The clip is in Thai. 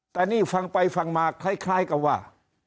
แต่นี่ฟังไปฟังมาคล้ายกับว่า